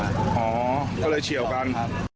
อ๋อก็เลยเฉียวกัน